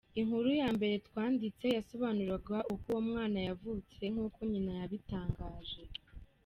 Inkuru ya mbere twanditse yasobanuraga uko uwo mwana yavutse, nk’uko nyina yabitangaje.